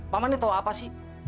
pak man ini tahu apa sih